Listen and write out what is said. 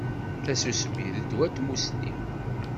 Tasusmi d ddwa n tmussni